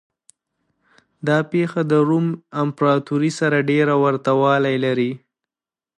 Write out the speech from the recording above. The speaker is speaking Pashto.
دا پېښه د روم امپراتورۍ سره ډېر ورته والی لري.